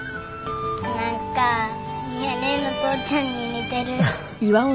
何か美和ネェの父ちゃんに似てる。